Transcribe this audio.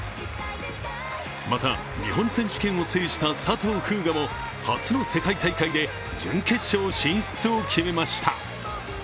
また、日本選手権を制した佐藤風雅も初の世界大会で準決勝進出を決めました。